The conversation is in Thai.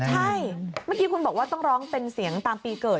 ใช่เมื่อกี้คุณบอกว่าต้องร้องเป็นเสียงตามปีเกิด